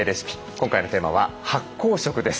今回のテーマは「発酵食」です。